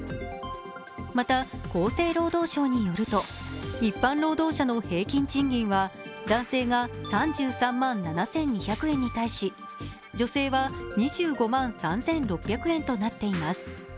また厚生労働省によると一般労働者の平均賃金は男性が３３万７２００円に対し、女性は２５万３６００円となっています。